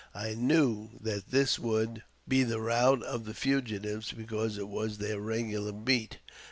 I knew that this would be the route of the fugitives, because it was their regular beat.